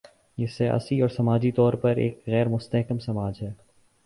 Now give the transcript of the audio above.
یہ سیاسی اور سماجی طور پر ایک غیر مستحکم سماج ہے۔